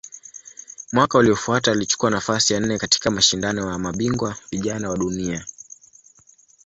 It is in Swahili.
Mwaka uliofuata alichukua nafasi ya nne katika Mashindano ya Mabingwa Vijana wa Dunia.